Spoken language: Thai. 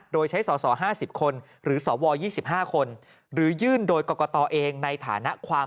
โดยใช้สส๕๐คนหรือสว๒๕คนหรือยื่นโดยกรกตเองในฐานะความ